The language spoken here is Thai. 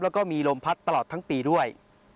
แล้วก็มีลมพัดตลอดทั้งปีด้วย